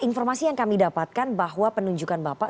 informasi yang kami dapatkan bahwa penunjukan bapak